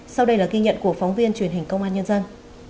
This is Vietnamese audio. sau đây là ghi nhận của phóng viên truyền hình công an nhân dân